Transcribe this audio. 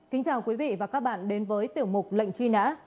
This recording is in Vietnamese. kính chào quý vị và các bạn đến với tiểu mục lệnh truy nã